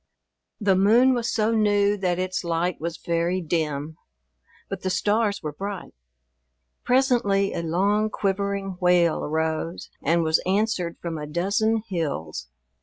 The moon was so new that its light was very dim, but the stars were bright. Presently a long, quivering wail arose and was answered from a dozen hills.